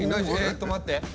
えっと待って。